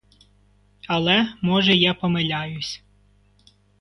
Але, може, я помиляюсь.